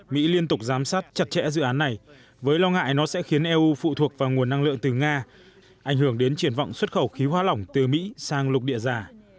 mỹ liên tục giám sát chặt chẽ dự án này với lo ngại nó sẽ khiến eu phụ thuộc vào nguồn năng lượng từ nga ảnh hưởng đến triển vọng xuất khẩu khí hoa lỏng từ mỹ sang lục địa giả